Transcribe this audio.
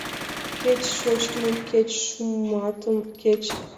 Кеч шочмым, кеч шуматым, кеч...